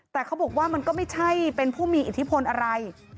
แต่เขาบอกว่ามันก็ไม่ใช่เป็นผู้มีอิทธิพลอะไร